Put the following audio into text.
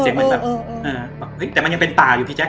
เออเออเออเออเออเออแต่มันยังเป็นป่าอยู่พี่แจ๊ค